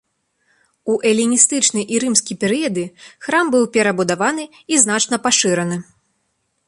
У эліністычны і рымскі перыяды храм быў перабудаваны і значна пашыраны.